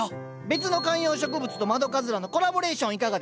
別の観葉植物と窓かずらのコラボレーションいかがですか？